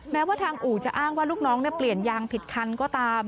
แม้ว่าทางอู่จะอ้างว่าลูกน้องเปลี่ยนยางผิดคันก็ตาม